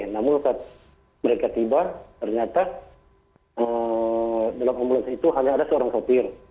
namun saat mereka tiba ternyata dalam ambulans itu hanya ada seorang sopir